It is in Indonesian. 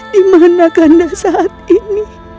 di mana kandang saat ini